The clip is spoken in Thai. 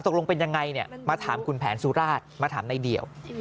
ตกลงเป็นยังไงเนี่ยมาถามคุณแผนสุราชมาถามในเดี่ยว